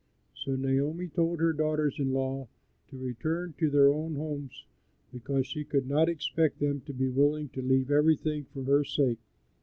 So Naomi told her daughters in law to return to their own homes, because she could not expect them to be willing to leave everything for her sake.